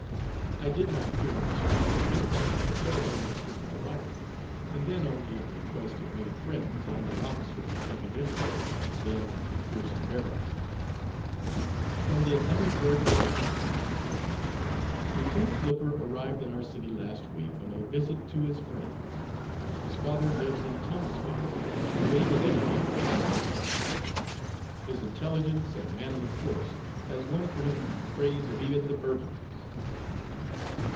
I did not appear on the streets in uniform for several days after my arrival, and then only at the request of many friends and an officer of the Second Infantry then at McPherson Barracks. (From the Atlanta (Ga.) Republican) "Lieutenant Flipper arrived in our city last week on a visit to his friends. His father lives in Thomasville, but he was educated in this city. His intelligence and manly course has won for him the praise of even the Bourbons."